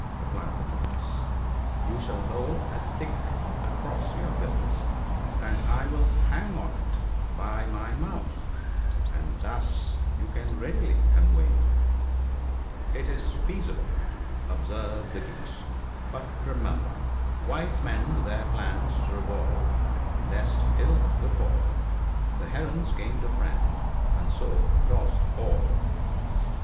" replied the Tortoise ;" you shall hold a stick across in your bills, and I will hang on to it by my mouth — and thus you can readily convey me." " It is feasible," observed the Geese, " but remember, " Wise men their plans revolve, lest ill befall ; The Herons gained a friend, and so, lost all."